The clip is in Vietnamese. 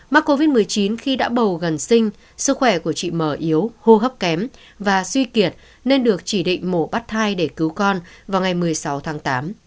mắc covid một mươi chín khi đã bầu gần sinh sức khỏe của chị m yếu hô hấp kém và suy kiệt nên được chỉ định mổ bắt thai để cứu con vào ngày một mươi sáu tháng tám